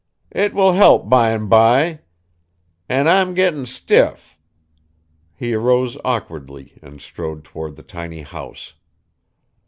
It will help bime by. An' I'm gettin' stiff." He arose awkwardly and strode toward the tiny house.